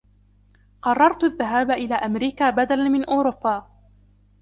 قررت الذهاب إلى أمريكا بدلا من أوروبا